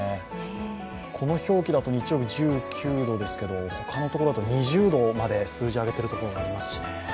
この表記だと日曜日１９度ですけれども、他のところだと２０度まで数字を上げているところもありますしね。